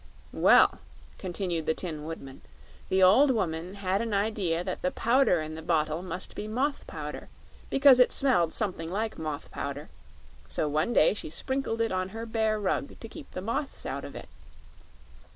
"Well," continued the Tin Woodman, "the old woman had an idea that the Powder in the bottle must be moth powder, because it smelled something like moth powder; so one day she sprinkled it on her bear rug to keep the moths out of it.